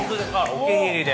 ◆お気に入りで。